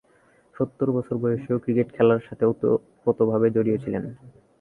সত্তর বছর বয়সেও ক্রিকেট খেলা সাথে ওতপ্রোতভাবে জড়িত ছিলেন।